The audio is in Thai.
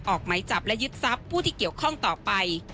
ออกไหมจับและยึดทรัพย์ผู้ที่เกี่ยวข้องต่อไป